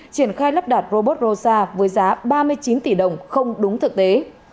triển khai lắp đặt robot rosa với giá ba mươi chín tỷ đồng không đúng thực tế